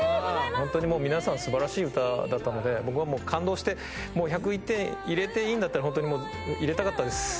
本当にもう皆さん、すばらしい歌だったんで、僕はもう感動して、もう１０１点入れていいんだったら、本当にもう入れたかったです。